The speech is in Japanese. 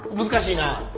難しいな。